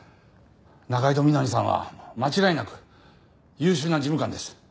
仲井戸みなみさんは間違いなく優秀な事務官です。